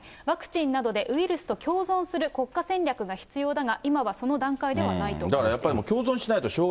ワクチンなどでウイルスと共存する国家戦略が必要だが、今はその段階ではないと話しています。